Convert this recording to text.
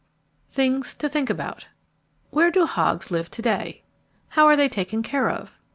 THINGS TO THINK ABOUT Where do hogs live to day? How are they taken care of?